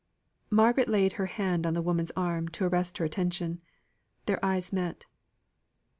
Margaret laid her hand on the woman's arm to arrest her attention. Their eyes met.